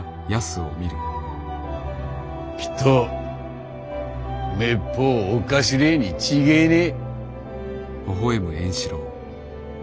きっとめっぽうおかしれぇに違えねぇ。